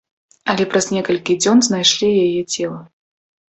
Але праз некалькі дзён знайшлі яе цела.